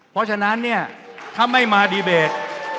เพราะฉะนั้นเนี่ยถ้าไม่มาดีเบต